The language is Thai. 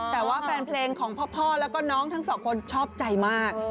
แต่ว่าแฟนเพลงของพ่อแล้วก็น้องทั้งสองคนชอบใจมาก